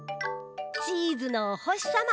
チーズのおほしさま。